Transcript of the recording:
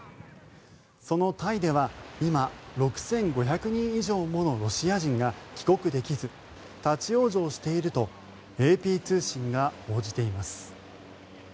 そのタイでは今６５００人以上ものロシア人が帰国できず、立ち往生しているとＡＰ通信が報じています。